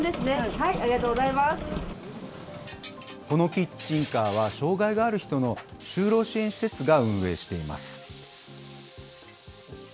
このキッチンカーは、障害がある人の就労支援施設が運営しています。